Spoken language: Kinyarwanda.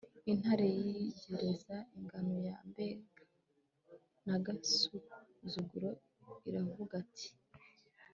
intare yitegereza ingano ya ... mbeba, n'agasuzuguro iravuga iti ..